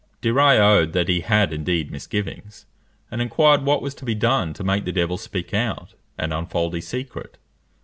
De Rays owned that he had indeed misgivings, and inquired what was to be done to make the devil speak out, and unfold his secret?